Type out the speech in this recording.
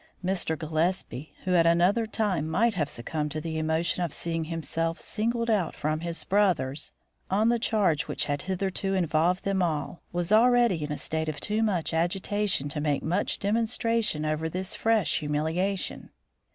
Mr. Gillespie, who at another time might have succumbed to the emotion of seeing himself singled out from his brothers on the charge which had hitherto involved them all, was already in a state of too much agitation to make much demonstration over this fresh humiliation.